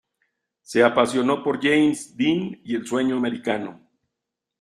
Se apasionó por James Dean y el sueño americano.